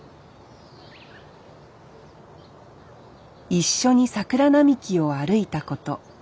一緒に桜並木を歩いたこと。